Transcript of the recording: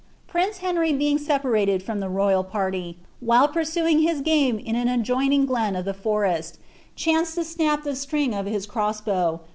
*^ Prince Henry being separated from tlie royal party, while pursuing his game in an adjoining glen of the forest, chanced to snap the string of his cross bow, •Wace.